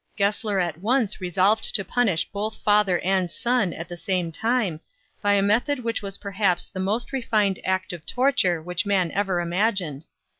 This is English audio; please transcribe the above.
Gessler at once resolved to punish both father and son at the same time, by a method which was perhaps the most refined act of torture which man ever imagined.